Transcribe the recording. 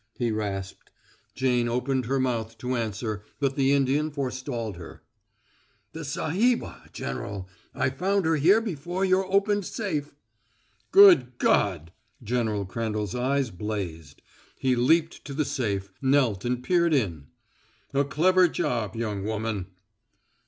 he rasped. Jane opened her mouth to answer, but the Indian forestalled her: "The sahibah, General I found her here before your opened safe " "Good God!" General Crandall's eyes blazed. He leaped to the safe, knelt and peered in. "A clever job, young woman!"